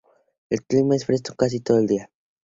El clima es fresco casi todo el año.